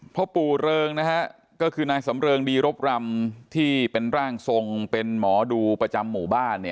พ่อปู่เริงนะฮะก็คือนายสำเริงดีรบรำที่เป็นร่างทรงเป็นหมอดูประจำหมู่บ้าน